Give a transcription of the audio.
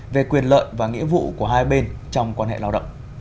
về quyền lợi và nghĩa vụ của hai bên trong quan hệ lao động